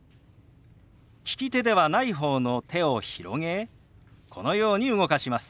利き手ではない方の手を広げこのように動かします。